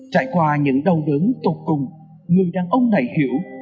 trải qua những đau đớn tột cùng người đàn ông này hiểu